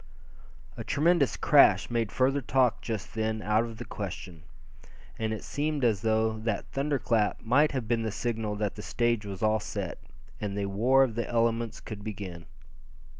A tremendous crash made further talk just then out of the question. And it seemed as though that thunder clap might have been the signal that the stage was all set, and the war of the elements could begin.